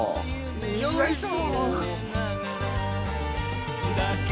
よいしょ！